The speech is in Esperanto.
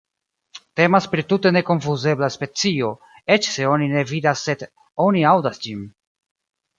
Temas pri tute nekonfuzebla specio, eĉ se oni ne vidas sed oni aŭdas ĝin.